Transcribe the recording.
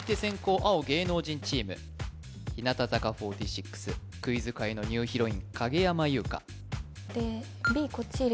青芸能人チーム日向坂４６クイズ界のニューヒロイン影山優佳